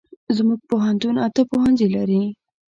زمونږ پوهنتون اته پوهنځي لري